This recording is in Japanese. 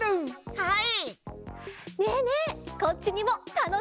はい！